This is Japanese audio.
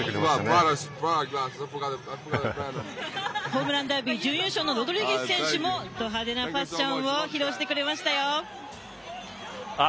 ホームランダービー準優勝のロドリゲス選手もど派手なファッションを披露してくれましたよ。